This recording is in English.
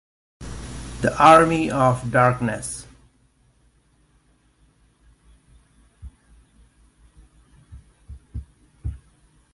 The Army of Darkness.